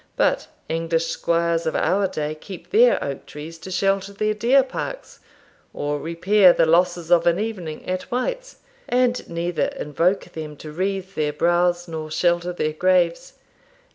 But English squires of our day keep their oak trees to shelter their deer parks, or repair the losses of an evening at White's, and neither invoke them to wreathe their brows nor shelter their graves.